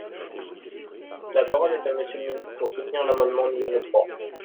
La parole est à Monsieur le ministre, pour soutenir l’amendement numéro trois.